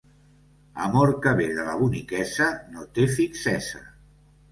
Amor que ve de la boniquesa no té fixesa.